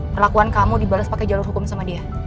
perlakuan kamu dibalas pakai jalur hukum sama dia